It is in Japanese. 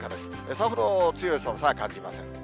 さほど強い寒さは感じません。